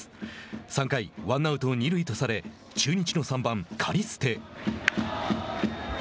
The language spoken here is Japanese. ３回、ワンアウト、二塁とされ中日の三番、カリステ。